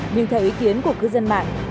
nhưng theo ý kiến của cư dân mạng